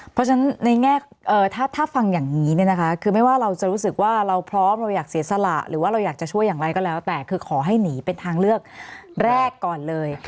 เพราะฉะนั้นในแง่ถ้าฟังอย่างนี้เนี่ยนะคะคือไม่ว่าเราจะรู้สึกว่าเราพร้อมเราอยากเสียสละหรือว่าเราอยากจะช่วยอย่างไรก็แล้วแต่คือขอให้หนีเป็นทางเลือกแรกก่อนเลย